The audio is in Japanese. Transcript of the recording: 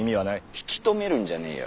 引き止めるんじゃねーよ。